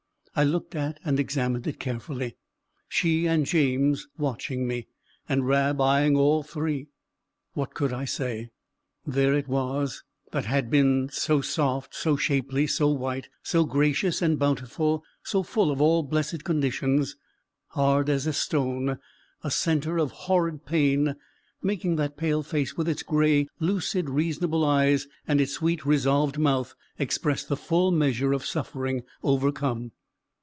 I looked at and examined it carefully she and James watching me, and Rab eyeing all three. What could I say? there it was, that had once been so soft, so shapely, so white, so gracious and bountiful, so "full of all blessed conditions," hard as a stone, a centre of horrid pain, making that pale face with its gray, lucid, reasonable eyes, and its sweet resolved mouth, express the full measure of suffering overcome.